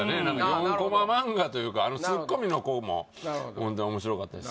４コマ漫画というかツッコミの子もホントに面白かったです